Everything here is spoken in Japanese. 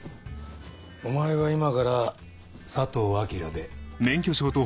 お前は今から佐藤明で。